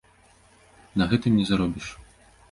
На гэтым не заробіш.